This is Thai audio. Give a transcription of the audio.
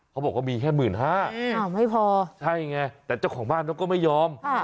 เขาบอกว่ามีแค่๑๕๐๐บาทไม่พอใช่ไงแต่เจ้าของบ้านเขาก็ไม่ยอม